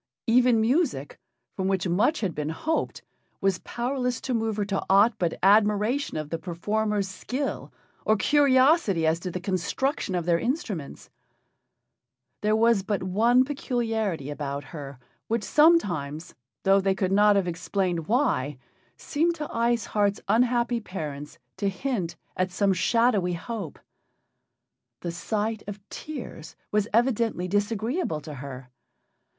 Even music, from which much had been hoped, was powerless to move her to aught but admiration of the performers' skill or curiosity as to the construction of their instruments. There was but one peculiarity about her, which sometimes, though they could not have explained why, seemed to Ice Heart's unhappy parents to hint at some shadowy hope. The sight of tears was evidently disagreeable to her.